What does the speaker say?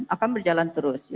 akan berjalan terus